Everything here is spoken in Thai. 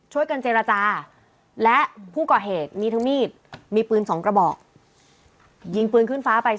ช่วยกันเจรจาและผู้ก่อเหตุมีทางมีดว่ามีปืนสองกระบอก